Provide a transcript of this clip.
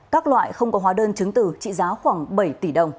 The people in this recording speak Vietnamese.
các loại không có hóa đơn chứng từ trị giá khoảng bảy tỷ đồng